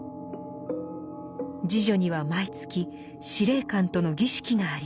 侍女には毎月司令官との儀式があります。